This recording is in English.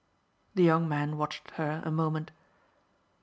The young man watched her a moment.